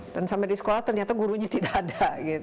dan sampai di sekolah ternyata gurunya tidak ada